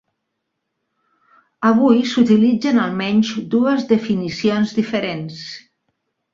Avui s'utilitzen almenys dues definicions diferents.